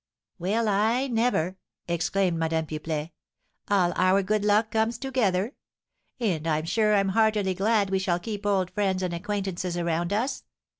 "Well, I never!" exclaimed Madame Pipelet, "all our good luck comes together; and I'm sure I'm heartily glad we shall keep old friends and acquaintances around us.